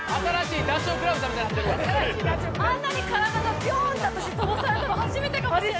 あんなに体がビョンって私飛ばされたの初めてかもしれない。